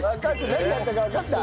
何やったかわかった？